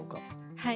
はい。